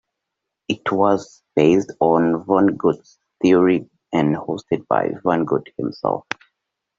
It was based on Vonnegut's stories and hosted by Vonnegut himself.